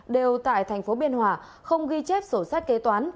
đều tại tp biên hòa không ghi chép sổ sách kế toán